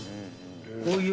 こういう。